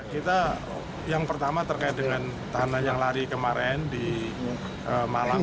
kita yang pertama terkait dengan tahanan yang lari kemarin di malang